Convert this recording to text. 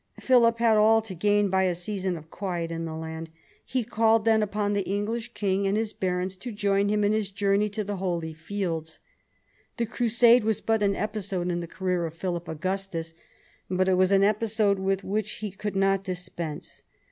Philip had all to gain by a season of quiet in the land. He called then upon the English king and his barons to join him in his journey to the holy fields. The crusade was but an episode in the career of ii THE BEGINNINGS OF PHILIPS POWER 47 Philip Augustus, but it was an episode with which he could not dispense.